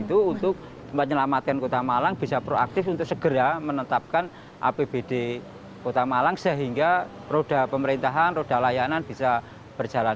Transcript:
untuk menyelamatkan kota malang bisa proaktif untuk segera menetapkan apbd kota malang sehingga roda pemerintahan roda layanan bisa berjalan